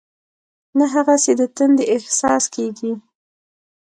نه هغسې د تندې احساس کېږي.